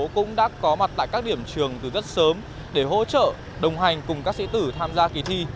cũng đã có mặt tại các điểm trường từ rất sớm để hỗ trợ đồng hành cùng các sĩ tử tham gia kỳ thi